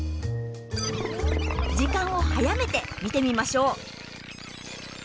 時間を速めて見てみましょう。